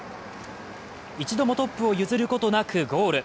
一度もトップを譲ることなくゴール。